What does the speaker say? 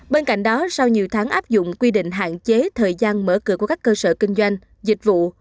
bên cạnh đó sau nhiều tháng áp dụng quy định hạn chế thời gian mở cửa của các cơ sở kinh doanh dịch vụ